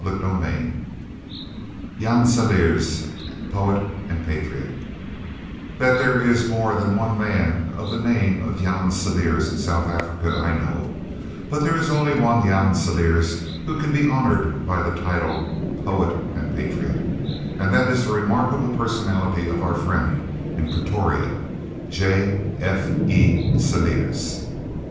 CHAPTER IX JAN CELLIERS, POET AND PATRIOT That there is more than one man of the name of Jan Celliers in South Africa I know, but there is only one Jan Celliers who can be honoured by the title "Poet and Patriot," and that is the remarkable personality of our friend in Pretoria, J.F.E. Celliers.